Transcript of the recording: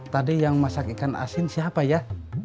tadi yang masak ikan asin siapa ya